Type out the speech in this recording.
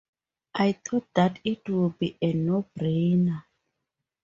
I thought that it would be a no-brainer.